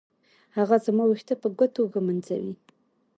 هغه زما ويښته په ګوتو ږمنځوي.